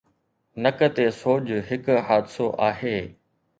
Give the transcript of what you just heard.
نڪ تي سوڄ هڪ حادثو آهي